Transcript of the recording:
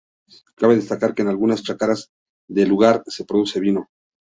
Cabe destacar que en algunas chacras del lugar, se produce vino.